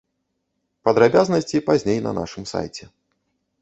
Падрабязнасці пазней на нашым сайце.